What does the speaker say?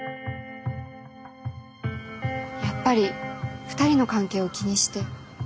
やっぱり２人の関係を気にして。